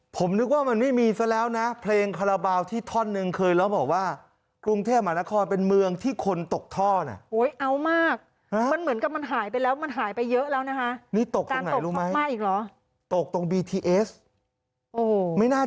ผมนึกว่ามันไม่มีแล้วนะเพลงคาระบาลที่ท่อนหนึ่งเคยแล้วบอกว่า